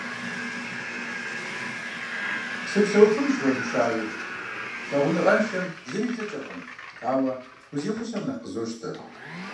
Сыпсэуфынущ уэрыншэуи, лъэгъуныгъэншэм зыри илӏыкӏыркъым, ауэ узигъусэм нэхъ къызощтэ.